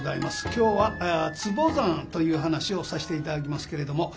今日は「つぼ算」という噺をさして頂きますけれども。